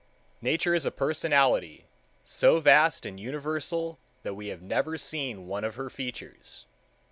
Nature is a personality so vast and universal that we have never seen one of her features.